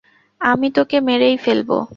আমি তোকে মেরেই ফেলব।